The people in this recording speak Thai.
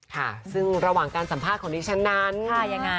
ค่ะซึ่งระหว่างการสัมภาษณ์ของดิฉันนั้น